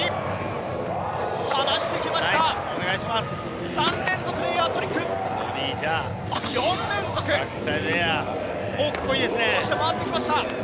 そして回ってきました。